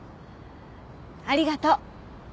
ありがとう。